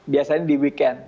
biasanya di weekend